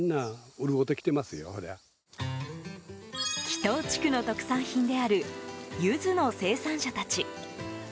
木頭地区の特産品であるユズの生産者たち。